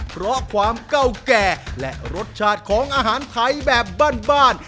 เพราะความเก่าแก่และรสชาติของอาหารไทยแบบบ้าน